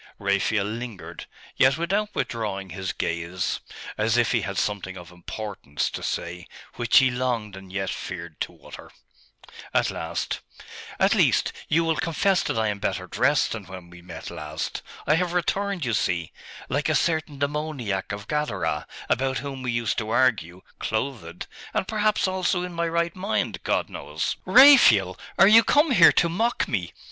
Raphael lingered, yet without withdrawing his gaze, as if he had something of importance to say, which he longed and yet feared to utter. At last 'At least, you will confess that I am better drest than when we met last. I have returned, you see, like a certain demoniac of Gadara, about whom we used to argue, clothed and perhaps also in my right mind.... God knows!' 'Raphael! are you come here to mock me?